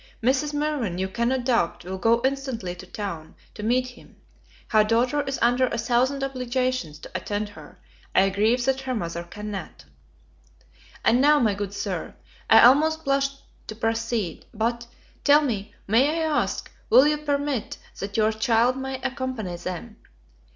Mrs. Mirvan, you cannot doubt, will go instantly to town to meet him; her daughter is under a thousand obligations to attend her; I grieve that her mother cannot. And now, my good Sir, I almost blush to proceed; but, tell me, may I ask will you permit that your child may accompany them?